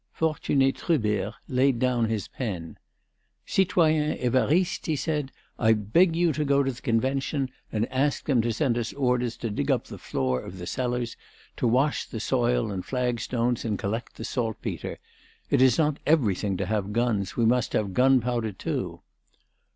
Fortuné Trubert laid down his pen: "Citoyen Évariste," he said, "I beg you to go to the Convention and ask them to send us orders to dig up the floor of cellars, to wash the soil and flag stones and collect the saltpetre. It is not everything to have guns, we must have gunpowder too."